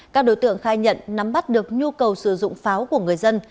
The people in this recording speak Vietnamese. các đối tượng khai nhận nắm bắt được nhu cầu sử dụng pháo của người dân